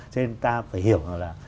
cho nên ta phải hiểu là